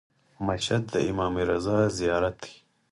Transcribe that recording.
مشهد د امام رضا زیارت دی.